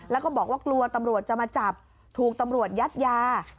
แล้วก็บอกว่ากลัวตำรวจจะมาจับถูกตำรวจยัดยา